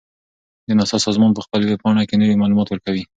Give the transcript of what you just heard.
د ناسا سازمان په خپل ویب پاڼه کې نوي معلومات ورکوي.